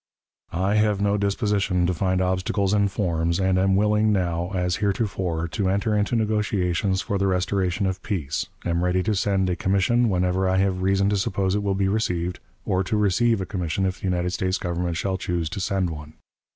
"I have no disposition to find obstacles in forms, and am willing now, as heretofore, to enter into negotiations for the restoration of peace, am ready to send a commission whenever I have reason to suppose it will be received, or to receive a commission if the United States Government shall choose to send one.